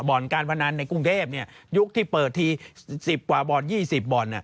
การพนันในกรุงเทพยุคที่เปิดที๑๐กว่าบ่อน๒๐บ่อน